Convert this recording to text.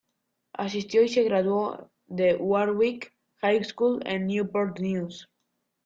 Asistió y se graduó de Warwick High School en Newport News.